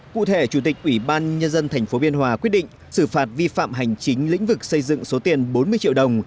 cụ thể chủ tịch ubnd tp biên hòa quyết định xử phạt vi phạm hành chính lĩnh vực xây dựng số tiền bốn mươi triệu đồng